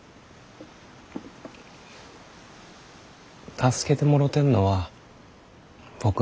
助けてもろてんのは僕の方やで。